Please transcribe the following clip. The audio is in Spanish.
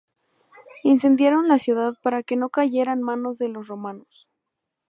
Incendiaron la ciudad para que no cayera en manos de los romanos.